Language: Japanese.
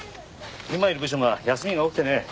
今いる部署が休みが多くてね。